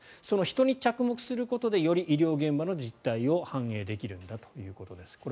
その人に着目することでより医療現場の実態を反映できるんだということです。